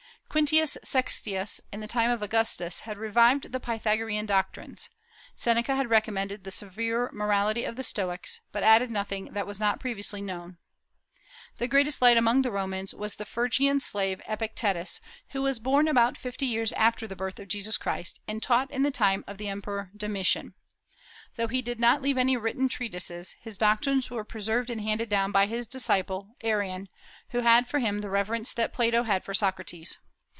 Quintius Sextius, in the time of Augustus, had revived the Pythagorean doctrines. Seneca had recommended the severe morality of the Stoics, but added nothing that was not previously known. The greatest light among the Romans was the Phrygian slave Epictetus, who was born about fifty years after the birth of Jesus Christ, and taught in the time of the Emperor Domitian. Though he did not leave any written treatises, his doctrines were preserved and handed down by his disciple Arrian, who had for him the reverence that Plato had for Socrates.